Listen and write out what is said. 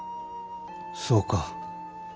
そうか。